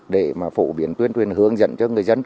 để mà phổ biến tuyên truyền hướng dẫn cho người dân